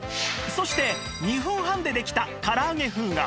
そして２分半でできた唐揚げ風がこちら